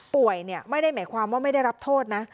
ไม่ได้หมายความว่าไม่ได้รับโทษนะ